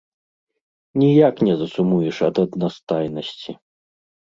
Ніяк не засумуеш ад аднастайнасці.